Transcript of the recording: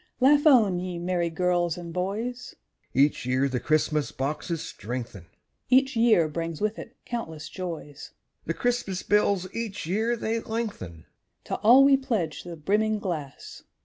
_) Laugh on, ye merry girls and boys! (Each year the Christmas boxes strengthen,) Each year brings with it countless joys; (The Christmas bills each year they lengthen.) To all we pledge the brimming glass!